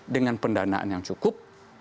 dengan pendanaan yang cukup